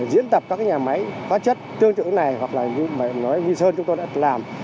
diễn tập các nhà máy phá chất tương trực này hoặc là như nói nguyên sơn chúng tôi đã làm